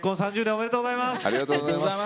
３０年おめでとうございます。